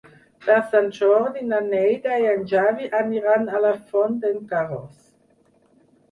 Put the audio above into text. Per Sant Jordi na Neida i en Xavi aniran a la Font d'en Carròs.